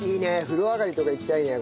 風呂上がりとかいきたいね